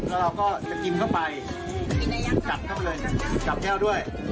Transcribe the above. แล้วเราก็จะกินเข้าไปกัดเข้าไปจับแก้วด้วย